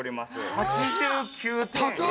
８９点。